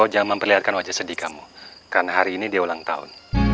yaudah nanti gak mau ganggu